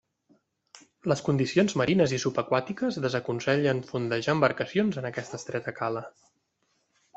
Les condicions marines i subaquàtiques desaconsellen fondejar embarcacions en aquesta estreta cala.